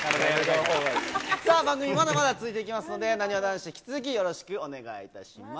さあ、番組、まだまだ続いていきますので、なにわ男子、引き続きよろしくお願いいたします。